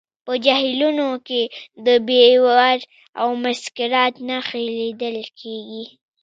په جهیلونو کې د بیور او مسکرات نښې لیدل کیږي